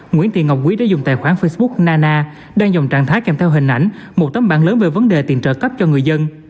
nguyễn thị ngọc quý đã dùng tài khoản facebook nana đang dòng trạng thái kèm theo hình ảnh một tấm bản lớn về vấn đề tiền trợ cấp cho người dân